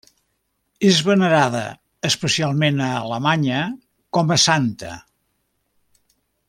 És venerada, especialment a Alemanya, com a santa.